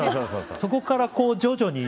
そこからこう徐々に。